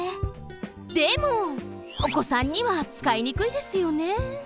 でもおこさんにはつかいにくいですよね？